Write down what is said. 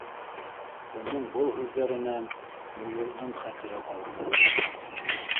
Уның был һүҙҙәренән Муйылдың хәтере ҡалды.